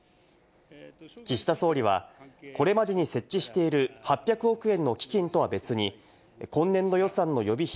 岸田総理はこれまでに設置している８００億円の基金とは別に今年度予算の予備費